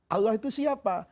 allah itu siapa